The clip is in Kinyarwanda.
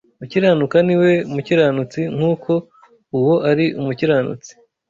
Ukiranuka ni we mukiranutsi nk’uko Uwo ari umukiranutsi